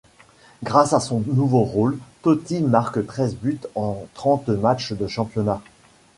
Grâce à son nouveau rôle, Totti marque treize buts en trente matchs de championnat.